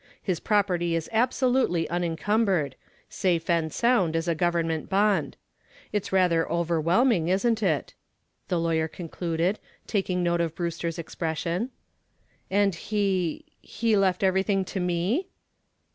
His property is absolutely unencumbered safe and sound as a government bond. It's rather overwhelming, isn't it?" the lawyer concluded, taking note of Brewster's expression. "And he he left everything to me?"